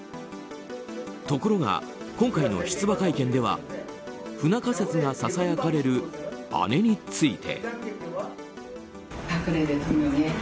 ところが今回の出馬会見では不仲説がささやかれる姉について。